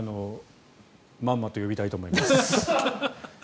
まんまと呼びたいと思います。